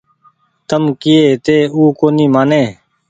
تم ڪيئي هيتي او ڪونيٚ مآني